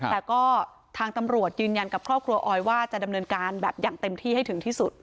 แต่ก็ทางตำรวจยืนยันกับครอบครัวออยว่าจะดำเนินการแบบอย่างเต็มที่ให้ถึงที่สุด